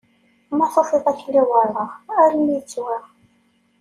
Ma tufiḍ akli werreɣ, armi ittwaɣ.